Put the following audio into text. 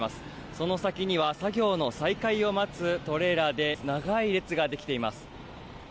その先には作業の再開を待つトレーラーで長い列ができています。